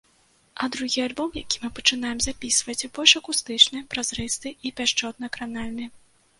А другі альбом, які мы пачынаем запісваць, больш акустычны, празрысты і пяшчотна-кранальны.